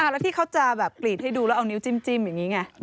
แล้วที่เขาจะแบบกรีดให้ดูแล้วเอานิ้วจิ้มอย่างนี้ไง